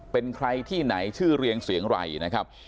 เป็นใครที่ไหนชื่อเรียงเสียงไรนะครับ